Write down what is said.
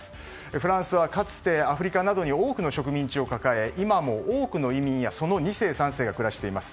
フランスはかつてアフリカなどに多くの植民地を抱え今も多くの移民やその２世、３世が暮らしています。